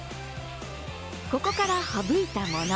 ここから省いたもの。